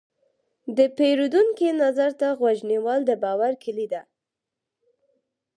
د پیرودونکي نظر ته غوږ نیول، د باور کلي ده.